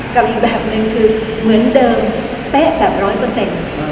กับอีกแบบหนึ่งคือเป๊ะแบบร้อยเปอร์เซ็นต์